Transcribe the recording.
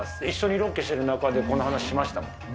一緒にロケしている中で、この話しましたもん。